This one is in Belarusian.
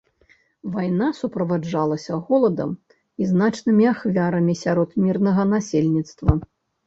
Вайна суправаджалася голадам і значнымі ахвярамі сярод мірнага насельніцтва.